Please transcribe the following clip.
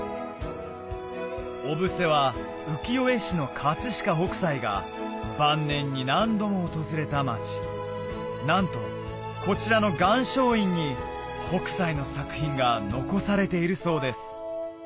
小布施は浮世絵師の飾北斎が晩年に何度も訪れた町なんとこちらの岩松院に北斎の作品が残されているそうです